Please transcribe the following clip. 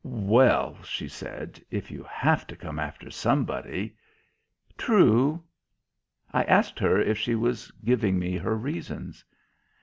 "Well," she said, "if you have to come after somebody " "True." I asked her if she was giving me her reasons.